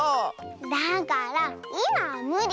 だからいまはむり。